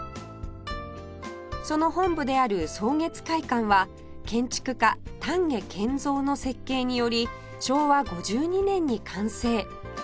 その本部である草月会館は建築家丹下健三の設計により昭和５２年に完成